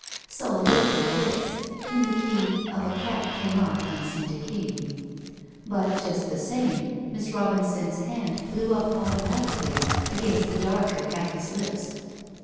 So they could kiss in the key of a cat cannot unseat a king. But, just the same, Miss Robinson's hand flew up automatically against the dark of Hattie's lips.